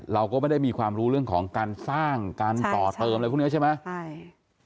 เราก็ไม่ได้มีความรู้เรื่องของการสร้างการต่อเติมอะไรพวกนี้ใช่ไหมใช่